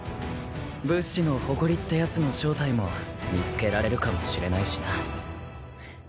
武士の誇りってやつの正体も見つけられるかもしれないしな。